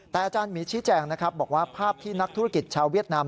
แต่อาจารย์หมีชี้แจงนะครับบอกว่าภาพที่นักธุรกิจชาวเวียดนาม